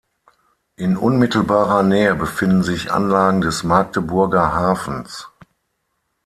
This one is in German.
In unmittelbarer Nähe befinden sich Anlagen des Magdeburger Hafens.